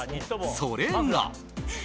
それが。